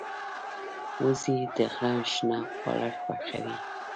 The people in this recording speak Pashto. وزې د غره شنه خواړه خوښوي